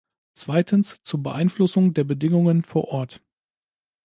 Zweitens zur Beeinflussung der Bedingungen vor Ort.